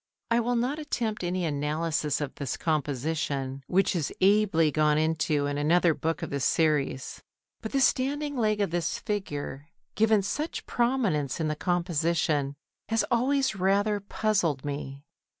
I will not attempt any analysis of this composition, which is ably gone into in another book of this series. But the standing leg of this figure, given such prominence in the composition, has always rather puzzled me.